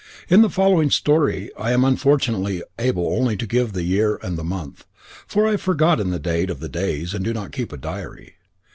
In the following story I am unfortunately able to give only the year and the month, for I have forgotten the date of the day, and I do not keep a diary.